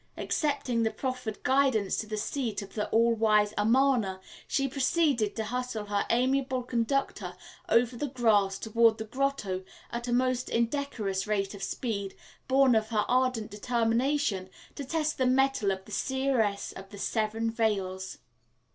Accepting the proffered guidance to the seat of the all wise Amarna, she proceeded to hustle her amiable conductor over the grass toward the grotto at a most indecorous rate of speed, born of her ardent determination to test the mettle of the Seeress of the Seven Veils.